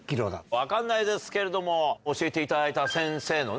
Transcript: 分かんないですけれども教えていただいた。